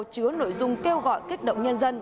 chứa nội dung kêu gọi kích động nhân dân